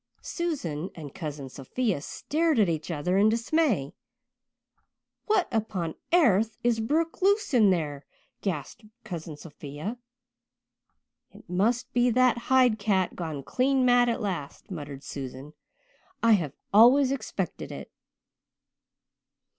Susan and Cousin Sophia stared at each other in dismay. "What upon airth has bruk loose in there?" gasped Cousin Sophia. "It must be that Hyde cat gone clean mad at last," muttered Susan. "I have always expected it."